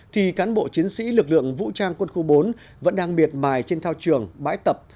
thì cán bộ chiến sĩ lực lượng vũ trang quân khu bốn vẫn đang miệt mài trên thao trường bãi tập